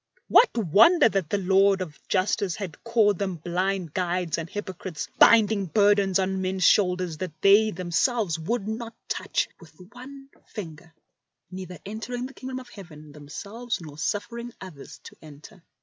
What wonder that the Lord of justice had called them blind guides and hypo crites, binding burdens on men's shoulders that they themselves would not touch with one finger, neither entering the Kingdom of Heaven themselves nor suffering others to enter.